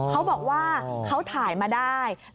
เขาบอกว่าเขาถ่ายมาได้